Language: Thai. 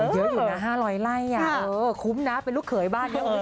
เยอะอยู่นะ๕๐๐ไร่คุ้มนะเป็นลูกเขยบ้านเยอะเลย